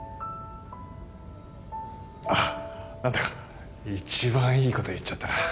あっ何だか一番いいこと言っちゃったな